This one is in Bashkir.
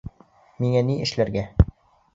Миңә ни эшләргә?